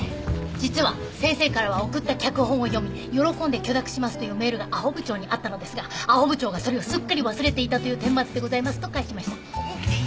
「実は先生からは送った脚本を読み喜んで許諾しますというメールがあほ部長にあったのですがあほ部長がそれをすっかり忘れていたという顛末でございます」と返しました。